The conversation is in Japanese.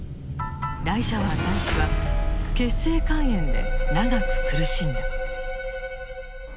ライシャワー大使は血清肝炎で長く苦しんだ。